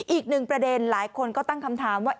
อีกหนึ่งประเด็นหลายคนก็ตั้งคำถามว่า